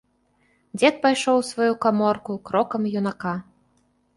Дзед пайшоў у сваю каморку крокам юнака.